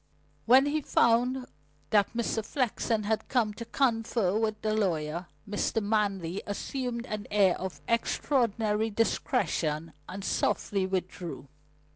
When he found that Mr. Flexen had come to confer with the lawyer, Mr. Manley assumed an air of extraordinary discretion and softly withdrew.